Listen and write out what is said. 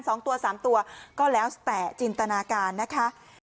สองตัวสามตัวก็แล้วแต่จินตนาการนะคะ